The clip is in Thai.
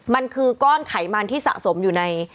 มันคือก้อนไขมันที่สะสมอยู่ใน